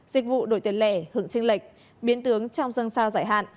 dịch vụ đổi tiền lẻ hưởng trinh lệch biến tướng trong dân sao giải hạn